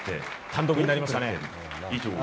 単独になりましたね。